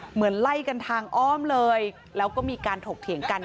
เหมือนไล่กันทางอ้อมเลยแล้วก็มีการถกเถียงกัน